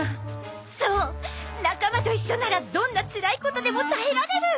そう仲間と一緒ならどんなつらいことでも耐えられる！